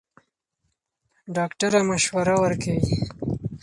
ډاکټره مشوره ورکوي.